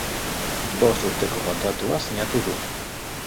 Bost urteko kontratua sinatu du.